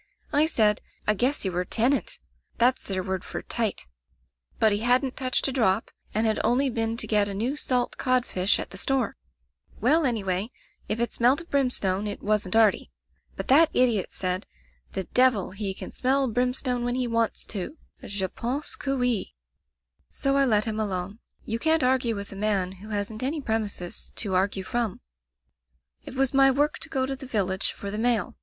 "I said *I guess you were tenet* (that's their word for * tight'). "But he hadn't touched a drop, and had only been to get a new salt codfish at the store. [ 149 3 Digitized by LjOOQ IC Interventions "'Well, anyway, if it smelt of brimstone, it wasn't Artie/ "But that idiot said: *The devil, he can smell brimstone when he wants to — je pense que out!* "So I let him alone. You can't argue with a man who hasn't any premises to argue from. "It was my work to go to the village for the mail.